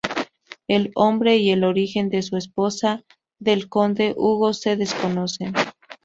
El nombre y el origen de la esposa del conde Hugo se desconocen.